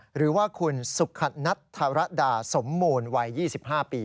หรือว่าคุณสุขณัตรดาสมมูลวัย๒๕ปี